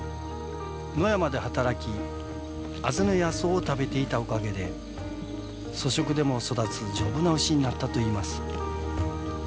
野山で働き畔の野草を食べていたおかげで粗食でも育つ丈夫な牛になったといいます。